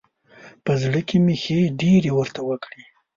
په زړه کې مې ښې ډېرې ورته وکړې.